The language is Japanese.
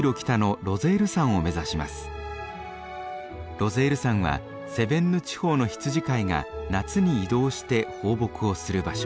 ロゼール山はセヴェンヌ地方の羊飼いが夏に移動して放牧をする場所。